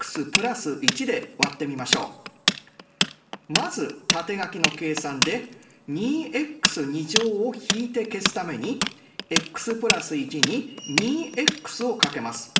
まず縦書きの計算で２ｘを引いて消すためにｘ＋１に２ｘをかけます。